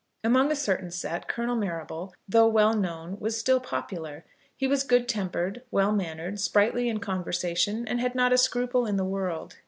Among a certain set Colonel Marrable, though well known, was still popular. He was good tempered, well mannered, sprightly in conversation, and had not a scruple in the world.